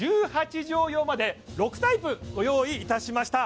１８畳用まで６タイプご用意いたしました